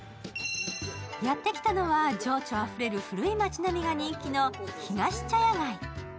やってきたのは、情緒あふれる古い街並みが人気の東茶屋街。